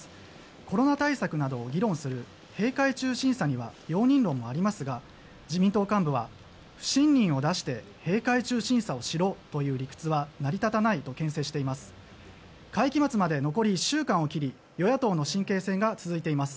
コロナ対策などを議論する閉会中審査には容認論もありますが自民党幹部は不信任を出して閉会中審査をしろという理屈は成り立たないとけん制しています。